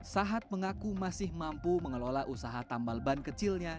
sahat mengaku masih mampu mengelola usaha tambal ban kecilnya